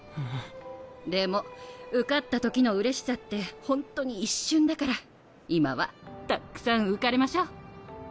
でも受かったときのうれしさってほんとに一瞬だから今はたっくさん浮かれましょ。